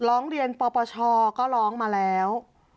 ร้องเรียนปปชก็ร้องมาแล้ว